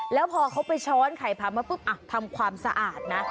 แล้วพอเขาไปช้อนไข่พร้ำแล้วปุ๊บอ่ะทำความสะอาดนะ